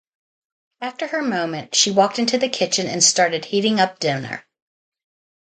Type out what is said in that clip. After her moment, she walked into the kitchen and started heating up dinner